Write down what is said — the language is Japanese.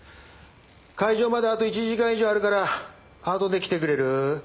開場まであと１時間以上あるからあとで来てくれる？